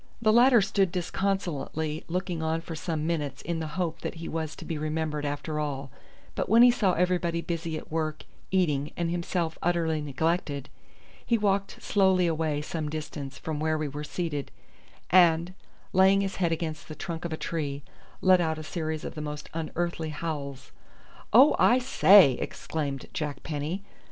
The latter stood disconsolately looking on for some minutes in the hope that he was to be remembered after all; but when he saw everybody busy at work eating and himself utterly neglected, he walked slowly away some distance from where we were seated and, laying his head against the trunk of a tree, let out a series of the most unearthly howls. "Oh, I say!" exclaimed Jack Penny.